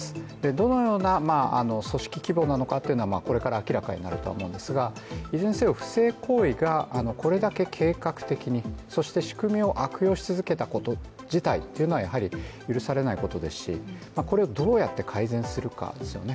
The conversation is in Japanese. どのような組織規模なのかというのはこれから明らかになると思うんですがいずれにせよ不正行為がこれだけ計画的にそして仕組みを悪用し続けたこと自体はやはり許されないことですし、これをどう改善するかですよね。